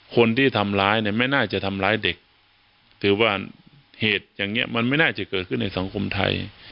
คนที่ทำร้ายเนี่ยไม่น่าจะทำร้ายเด็กถือว่าเหตุอย่างนี้มันไม่น่าจะเกิดขึ้นในสังคมไทย